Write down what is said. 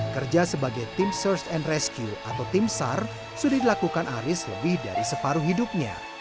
kerja sebagai tim search and rescue atau tim sar sudah dilakukan aris lebih dari separuh hidupnya